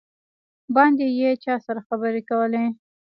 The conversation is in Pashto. باندې یې چا سره خبرې کولې.